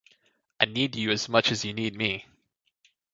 I need you as much as you need me.